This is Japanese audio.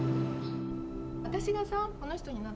私がさこの人になってさ。